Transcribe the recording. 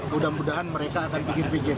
mudah mudahan mereka akan pikir pikir